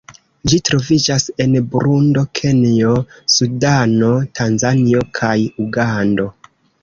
Ĝi troviĝas en Burundo, Kenjo, Sudano, Tanzanio kaj Ugando.